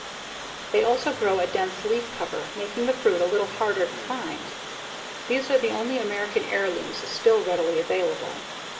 They also grow a dense leaf cover, making the fruit a little harder to find. These are the only American heirlooms still readily available.